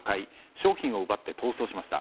商品を奪って逃走しました。